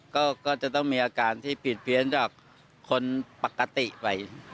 ก็จะต้องมีอาการที่ปิดเพี้ยนจากคนปกติไป